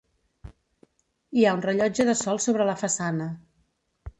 Hi ha un rellotge de sol sobre la façana.